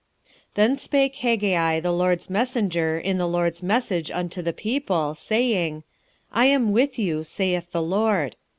1:13 Then spake Haggai the LORD's messenger in the LORD's message unto the people, saying, I am with you, saith the LORD.